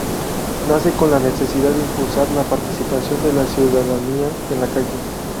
Nace con la necesidad de impulsar la participación de la ciudadanía en la calle.